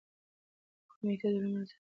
کومیټ د لمر سره نژدې کېدو پر مهال هاله جوړوي.